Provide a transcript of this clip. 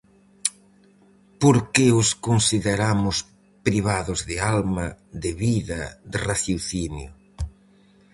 Por que os consideramos privados de alma, de vida, de raciocinio?